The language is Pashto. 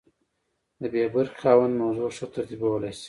د بي برخې خاوند موضوع ښه ترتیبولی شي.